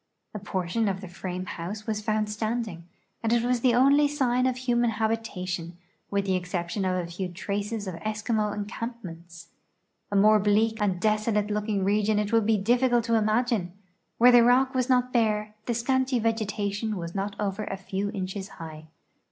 A portion of the frame house was found standing, and it was the only sign of human habitation, with the exception of a few traces of Eskimo encampments. A more bleak and desolate looking region it would be difficult to imagine; where the rock "was not bare, the scanty vegetation was not over a few inches high.